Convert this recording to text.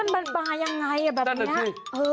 มันมาอย่างไรแบบนี้